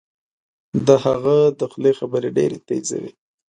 د هغه د خولې خبرې ډیرې تېزې وې